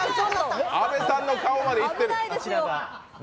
阿部さんの顔までいってる！